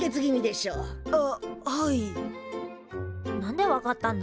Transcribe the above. なんでわかったんだ？